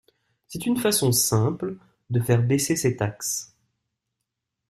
C’est une façon simple de faire baisser ses taxes.